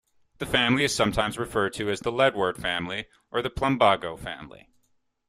The family is sometimes referred to as the leadwort family or the plumbago family.